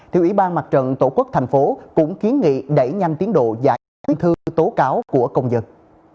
thì ủy ban mặt trận tổ quốc thành phố cũng kiến nghị đẩy nhanh tiến độ giải quyết thư tố cáo của công dân